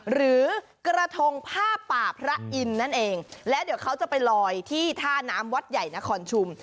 หรือกระทงผ้าป่าพระอินทร์นั่นเองและเดี๋ยวเขาจะไปลอยที่ท่าน้ำวัดใหญ่นครชุม